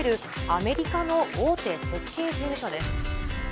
アメリカの大手設計事務所です。